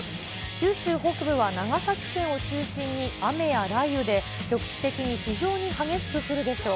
九州北部は長崎県を中心に雨や雷雨で、局地的に非常に激しく降るでしょう。